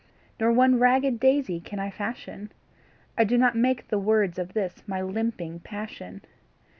Nor one poor ragged daisy can I fashion I do not make the words of this my limping passion.